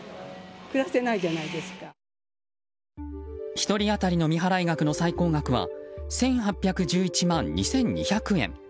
１人当たりの未払い額の最高額は１８１１万２２００円。